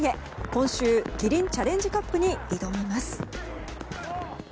今週キリンチャレンジカップに挑みます。